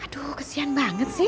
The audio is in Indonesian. aduh kesian banget sih